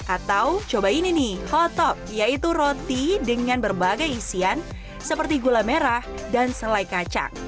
atau cobain ini nih hottop yaitu roti dengan berbagai isian seperti gula merah dan selai kacang